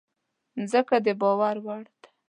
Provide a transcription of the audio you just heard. مځکه د باور وړ ده.